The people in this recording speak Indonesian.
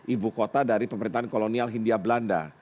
ibu kota dari pemerintahan kolonial hindia belanda